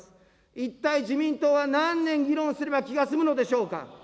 一体自民党は何年議論すれば気が済むのでしょうか。